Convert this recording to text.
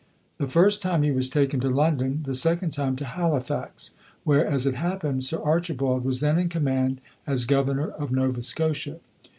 The first time he was taken to London; the second time to Halifax, where, as it happened, Sir Archibald was then in command as Governor of Nova Scotia.